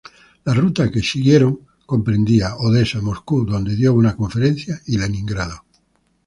La ruta que siguieron comprendía Odessa, Moscú, donde dio una conferencia, y Leningrado.